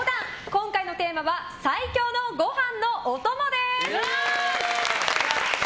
今回のテーマは最強のご飯のお供です。